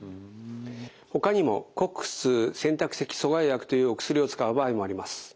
ほかにもＣＯＸ−２選択的阻害薬というお薬を使う場合もあります。